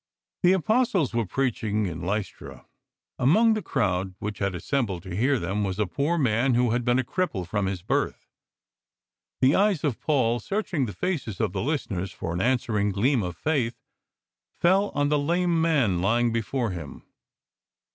The Apostles were preaching in Lystra. Amongst the crowd which had assembled to hear them was a poor man who had been a cripple from his birth. The eyes of Paul, searching the faces of the listeners for an answering gleam of faith, fell on the lame man lying before him.